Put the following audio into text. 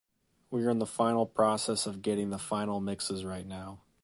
We're in the final process of getting the final mixes right now.